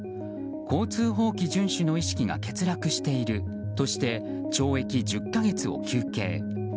交通法規順守の意識が欠落しているとして懲役１０か月を求刑。